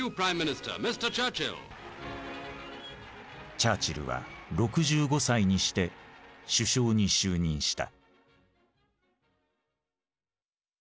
チャーチルは６５歳にして首相に就任した。